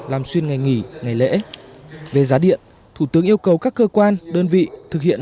làm xuyên ngày nghỉ ngày lễ về giá điện thủ tướng yêu cầu các cơ quan đơn vị thực hiện